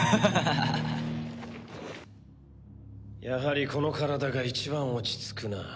やはりこの体が一番落ち着くな。